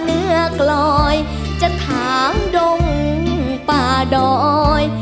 เนื้อกลอยจะถามดงป่าดอย